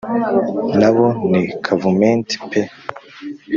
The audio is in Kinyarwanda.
nabo ni kavumenti pe